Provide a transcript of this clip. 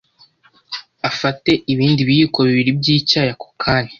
ufate ibindi biyiko bibiri by’icyayi ako kanya